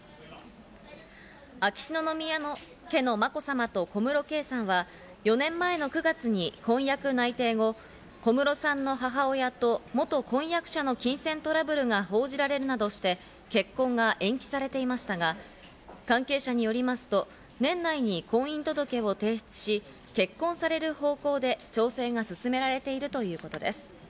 秋篠宮家のまこさまと小室圭さんは、４年前の９月に婚約内定後、小室さんの母親と元婚約者の金銭トラブルが報じられるなどして、結婚が延期されていましたが、関係者によりますと、年内に婚姻届を提出し、結婚される方向で調整が進められているということです。